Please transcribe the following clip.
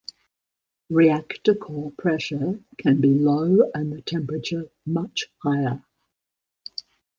Reactor core pressure can be low and the temperature much higher.